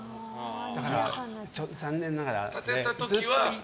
だから残念ながら。